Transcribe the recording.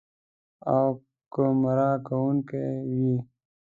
او ګمراه کوونکې وي.